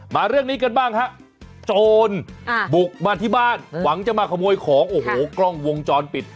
เรื่องนี้กันบ้างฮะโจรบุกมาที่บ้านหวังจะมาขโมยของโอ้โหกล้องวงจรปิด